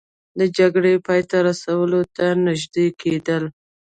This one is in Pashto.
د جګړې پای ته رسولو ته نژدې کیدل